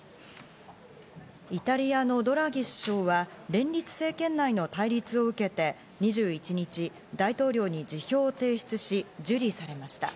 イタリアのドラギ首相は連立政権内の対立を受けて２１日、大統領に辞表を提出し、受理されました。